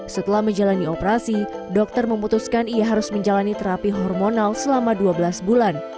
setelah menjalani operasi dokter memutuskan ia harus menjalani terapi hormonal selama dua belas bulan